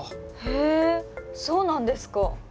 へえそうなんですか。